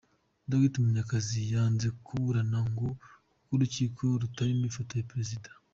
Dr. Munyakazi yanze kuburana ngo kuko mu rukiko hatarimo ifoto ya Perezida